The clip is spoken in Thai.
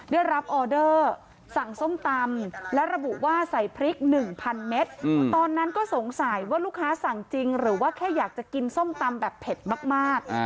ได้รับออเดอร์สั่งส้มตำและระบุว่าใส่พริก๑๐๐เมตรตอนนั้นก็สงสัยว่าลูกค้าสั่งจริงหรือว่าแค่อยากจะกินส้มตำแบบเผ็ดมาก